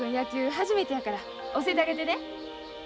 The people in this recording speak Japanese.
初めてやから教えてあげてね。